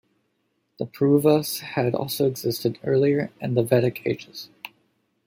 The Pauravas had also existed earlier in the Vedic Ages.